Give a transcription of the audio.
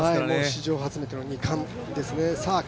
史上初めての２冠ですね。